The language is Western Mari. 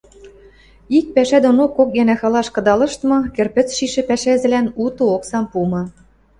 Ик пӓшӓ донок кок гӓнӓ халаш кыдалыштмы, кӹрпӹц шишӹ пӓшӓзӹлӓн уты оксам пумы